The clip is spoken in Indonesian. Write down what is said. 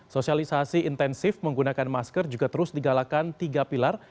sosialisasi intensif menggunakan masker juga terus digalakan tiga pilar